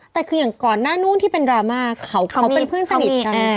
แต่คืออย่างก่อนหน้านู้นที่เป็นดราม่าเขาเป็นเพื่อนสนิทกัน